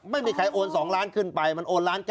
ไม่มีใครโอน๒ล้านขึ้นไปมันโอนล้าน๙